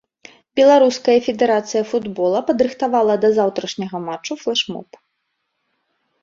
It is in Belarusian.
Беларуская федэрацыя футбола падрыхтавала да заўтрашняга матчу флэш-моб.